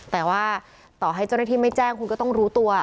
แต่ว่าต่อให้เจ้าหน้าที่ไม่แจ้งคุณก็ต้องรู้ตัว